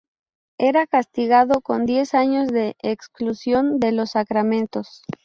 Era castigado con diez años de exclusión de los sacramentos.